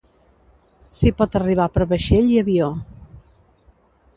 S'hi pot arribar per vaixell i avió.